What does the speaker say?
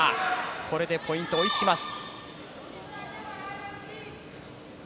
これでポイント追いつきます。